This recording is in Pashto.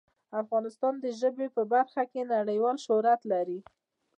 افغانستان د ژبې په برخه کې نړیوال شهرت لري.